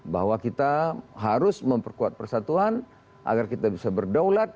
bahwa kita harus memperkuat persatuan agar kita bisa berdaulat